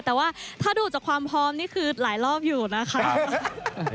แต่ว่าถ้าดูจากความพร้อมนี่คือหลายรอบอยู่นะคะ